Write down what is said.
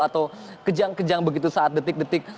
atau kejang kejang begitu saat detik detik